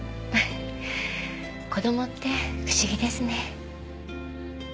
子供って不思議ですね。